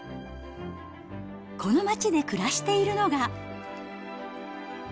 この町で暮らしているのが。